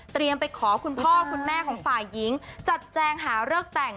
ไปขอคุณพ่อคุณแม่ของฝ่ายหญิงจัดแจงหาเลิกแต่ง